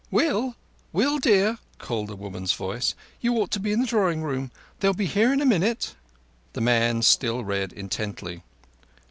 "Will! Will, dear!" called a woman's voice. "You ought to be in the drawing room. They'll be here in a minute." The man still read intently.